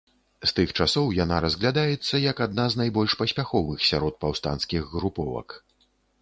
З тых часоў яна разглядаецца як адна з найбольш паспяховых сярод паўстанцкіх груповак.